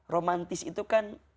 romantis itu kan